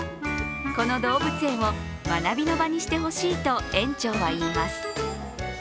この動物園を学びの場にしてほしいと園長は言います。